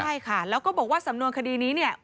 ใช่ค่ะแล้วก็บอกว่าสำนวนคดีนี้เนี่ย